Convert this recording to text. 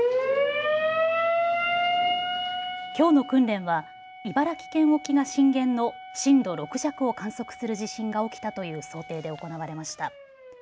きょうの訓練は茨城県沖が震源の震度６弱を観測する地震が起きたという想定で行われました。